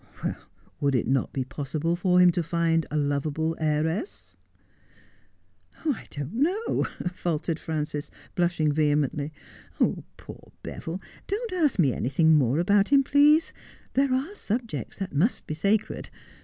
' Would it not be possible for him to find a loveable heiress ?'' I don't know,' faltered Frances, blushing vehemently. ' Pooi Beville ! Don't ask me anything more about him, please ! There are subjects that must be sacred."